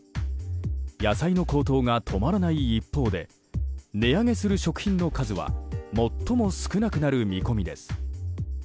野菜の高騰が止まらない一方で値上げする食品の数は最も少なくなる見込みです。